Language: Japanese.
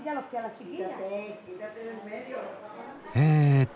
えっと。